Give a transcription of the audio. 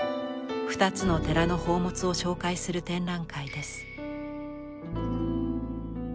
２つの寺の宝物を紹介する展覧会です。